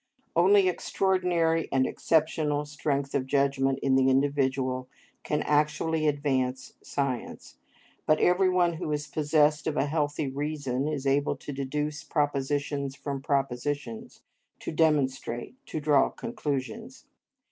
Only extraordinary and exceptional strength of judgment in the individual can actually advance science; but every one who is possessed of a healthy reason is able to deduce propositions from propositions, to demonstrate, to draw conclusions.